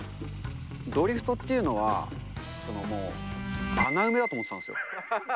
ドリフトっていうのは、穴埋めだと思ってたんですよ。